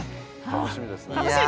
楽しみですね。